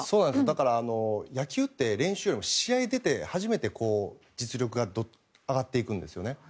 だから野球って練習よりも試合に出て初めて実力が上がっていくんですよね。